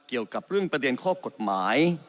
เกี่ยวกับเรื่องประเด็นข้อกฎหมาย